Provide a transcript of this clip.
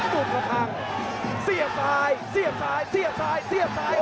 วงละครั้งเสียบซ้ายเสียบซ้ายเสียบซ้ายเสียบซ้าย